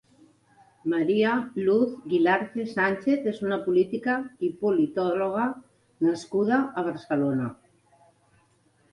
María Luz Guilarte Sánchez és una política i politòloga nascuda a Barcelona.